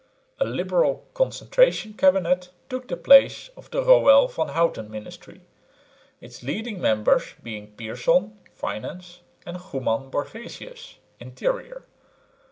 A liberal concentration cabinet took the place of the Roell Van Houten ministry, its leading members being Pierson (finance) and Goeman Borgesius (interior).